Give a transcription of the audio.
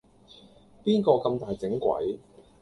邊個咁大整鬼